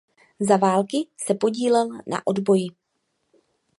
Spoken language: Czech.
Za války se podílel na odboji.